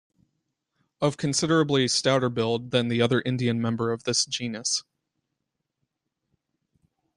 Of considerably stouter build than the other Indian member of this genus.